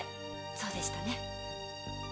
そうでしたね？